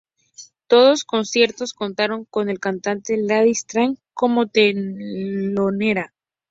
Todos conciertos contaron con la cantante Lady Starlight como telonera.